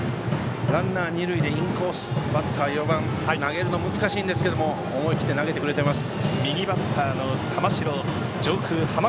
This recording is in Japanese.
ランナー、二塁でインコース、バッター４番投げるの難しいですけど思い切って投げてくれています。